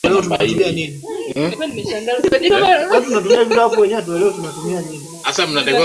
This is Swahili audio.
tony blair kutoka chama cha labour alimsifu malkia